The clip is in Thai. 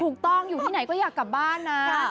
ถูกต้องอยู่ที่ไหนก็อยากกลับบ้านนะ